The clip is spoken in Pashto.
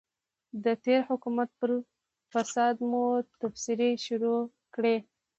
د تېر حکومت پر فساد مو تبصرې شروع کړې.